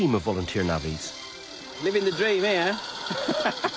ハハハハ！